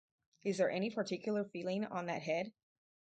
Is there any particular feeling on that head?